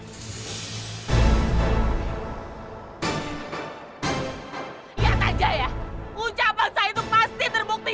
lihat aja ya ucapan saya itu pasti terbukti